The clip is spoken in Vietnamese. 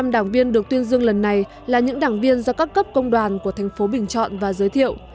một mươi đảng viên được tuyên dương lần này là những đảng viên do các cấp công đoàn của thành phố bình chọn và giới thiệu